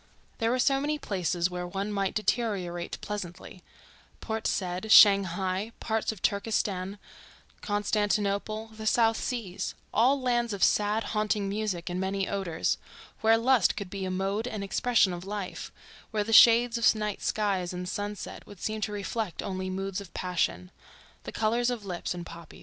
There were so many places where one might deteriorate pleasantly: Port Said, Shanghai, parts of Turkestan, Constantinople, the South Seas—all lands of sad, haunting music and many odors, where lust could be a mode and expression of life, where the shades of night skies and sunsets would seem to reflect only moods of passion: the colors of lips and poppies.